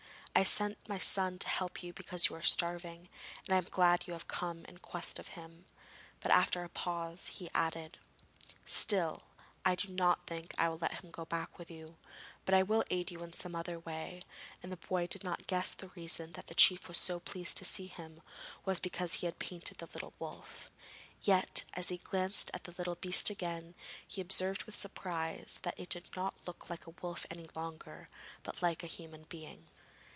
I sent my son to help you because you were starving, and I am glad you have come in quest of him.' But after a pause, he added: 'Still, I do not think I will let him go back with you; but I will aid you in some other way,' and the boy did not guess that the reason the chief was so pleased to see him was because he had painted the little wolf. Yet, as he glanced at the little beast again, he observed with surprise that it did not look like a wolf any longer, but like a human being.